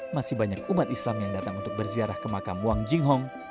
masih banyak umat islam yang datang untuk berziarah ke makam wang jinghong